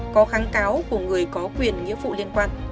có kháng cáo của người có quyền nghĩa vụ liên quan